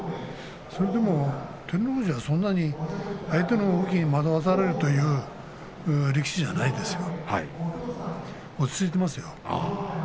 それでも照ノ富士はそんなに相手の動きに惑わされるという力士じゃないですよ。